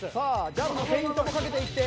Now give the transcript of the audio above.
ジャブのフェイントもかけていって。